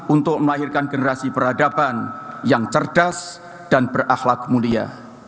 untuk melahirkan generasi peradaban yang cerdas dan berakhlak mulia